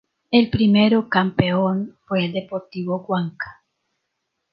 El primero campeón fue el Deportivo Wanka.